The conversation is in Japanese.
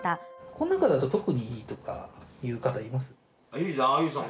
この中だと特にとかいう方います？